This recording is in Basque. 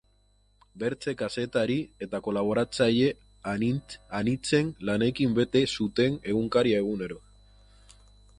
Bertze kazetari eta kolaboratzaile anitzen lanekin bete zuten egunkaria, egunero.